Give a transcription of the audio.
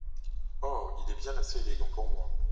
Oh ! il est bien assez élégant pour moi.